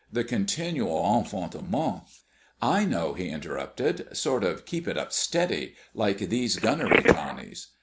The continual enfantement " "I know," he interrupted, "sort of keep it up steady, like these gunnery Johnnies.